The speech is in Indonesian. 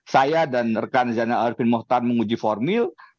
saya dan rekan zana alfin mohtar menguji formil